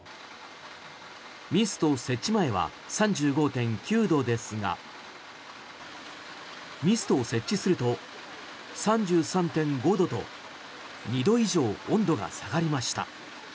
ミスト設置前は３５．９度ですがミストを設置すると３３．５度と２度以上、温度が下がりました。